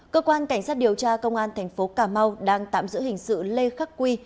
cơ quan cảnh sát điều tra công an tp cà mau đang tạm giữ hình sự lê khắc quy